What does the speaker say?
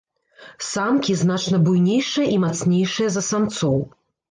Самкі значна буйнейшыя і мацнейшыя за самцоў.